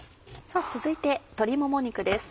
続いて鶏もも肉です。